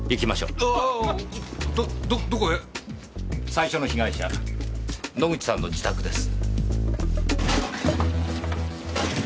最初の被害者野口さんの自宅です。